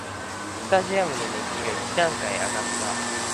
スタジアムの熱気が一段階あがった